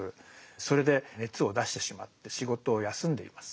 それで熱を出してしまって仕事を休んでいます。